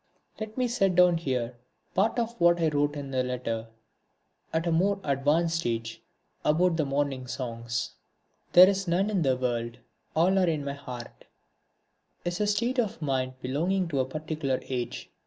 Let me set down here part of what I wrote in a letter, at a more advanced age, about the Morning Songs. "There is none in the World, all are in my heart" is a state of mind belonging to a particular age.